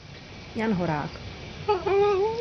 Jan Horák.